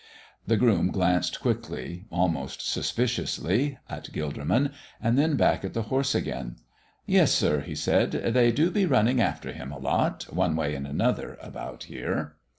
The groom glanced quickly, almost suspiciously, at Gilderman, and then back at the horse again. "Yes, sir," he said. "They do be running after Him a lot, one way and another, about here."